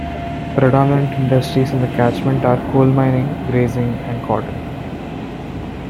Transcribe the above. Predominant industries in the catchment are coal mining, grazing and cotton.